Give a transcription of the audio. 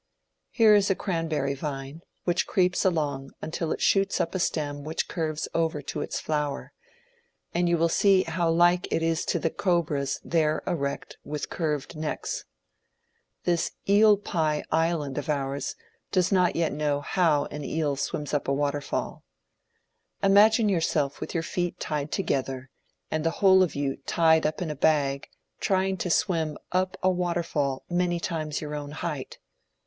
Here is a cranberry vme, which creeps along until it shoots up a stem which curves over to its flower, and you will see how like it is to the cobras there erect with curved necks. This *^ Eel pie Island " of ours does not yet know how an eel swims up a waterf alL Imagine yourself with your feet tied together, and the whole of you tied up in a bag, trying to swim up a waterfall many times your own height.